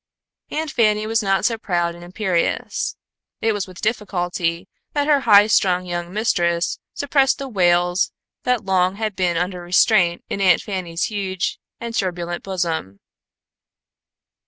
Aunt Fanny was not so proud and imperious. It was with difficulty that her high strung young mistress suppressed the wails that long had been under restraint in Aunt Fanny's huge and turbulent bosom.